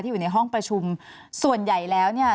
อยู่ในห้องประชุมส่วนใหญ่แล้วเนี่ย